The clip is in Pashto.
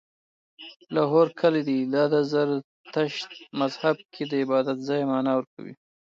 لاهور کلی دی، دا د زرتښت مذهب کې د عبادت ځای معنا ورکوي